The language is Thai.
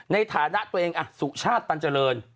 ในฐานะตัวเองสุชาติตันเจริญ